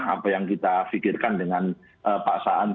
apa yang kita pikirkan dengan pak saan